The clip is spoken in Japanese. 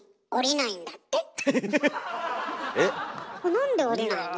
なんで降りないの？